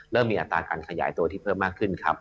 เริ่มมีอัตราการขยายตัวที่เพิ่มมากขึ้นครับ